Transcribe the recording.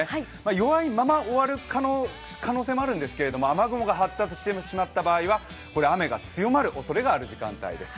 弱いまま終わる可能性もあるんですけれども、雨雲が発達してしまった場合は雨が強まるおそれがある時間帯です。